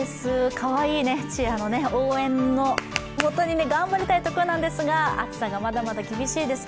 かわいいチアの応援のもとに頑張りたいところなんですが暑さがまだまだ厳しいです。